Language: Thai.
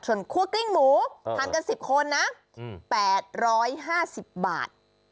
ส่วนคั่วกลิ้งหมูทานกัน๑๐คนนะ๘๕๐บาท